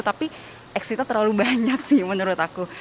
tapi exitnya terlalu banyak sih menurut aku